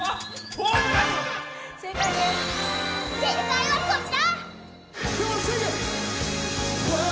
正解はこちら。